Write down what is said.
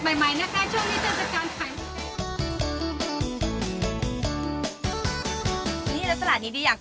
มีสินค้าหลายสิ่งหลายอย่าง